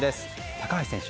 高橋選手